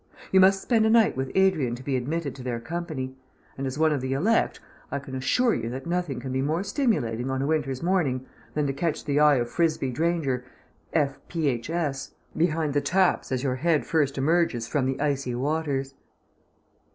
You must spend a night with Adrian to be admitted to their company; and, as one of the elect, I can assure you that nothing can be more stimulating on a winter's morning than to catch the eye of Frisby Dranger, F.Ph.S., behind the taps as your head first emerges from the icy waters.